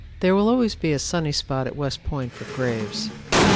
There will always be a sunny spot at West Point for Graves."